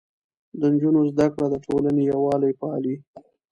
د نجونو زده کړه د ټولنې يووالی پالي.